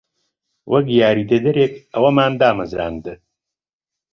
وەک یاریدەدەرێک ئەومان دامەزراند.